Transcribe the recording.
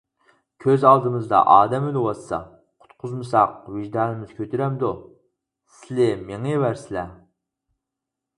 -كۆز ئالدىمىزدا ئادەم ئۆلۈۋاتسا، قۇتقۇزمىساق ۋىجدانىمىز كۆتۈرەمدۇ؟ سىلى مېڭىۋەرسىلە!